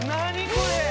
これ。